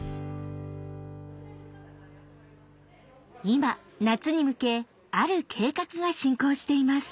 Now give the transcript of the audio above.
今夏に向けある計画が進行しています。